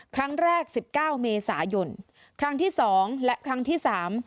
ครั้งแรกสิบเก้าเมษายนครั้งที่สองและครั้งที่สาม